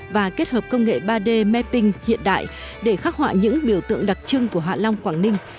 và kết hợp công nghệ ba d mapping hiện đại để khắc họa những biểu tượng đặc trưng của hạ long quảng ninh